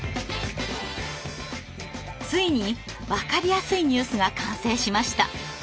ついにわかりやすいニュースが完成しました。